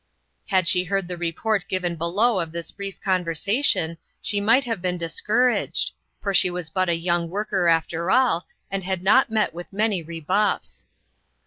Had she heard the report given below of this brief conversation, she might have been discouraged, for she was but a young worker after all, and had not met with many re buffs.